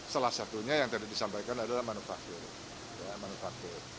salah satunya yang tadi disampaikan adalah manufaktur manufaktur